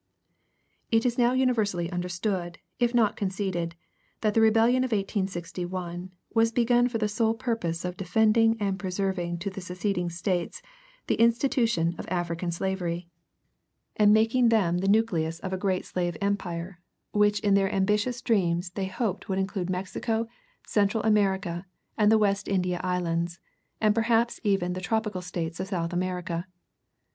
It is now universally understood, if not conceded, that the Rebellion of 1861 was begun for the sole purpose of defending and preserving to the seceding States the institution of African slavery and making them the nucleus of a great slave empire, which in their ambitious dreams they hoped would include Mexico, Central America, and the West India Islands, and perhaps even the tropical States of South America.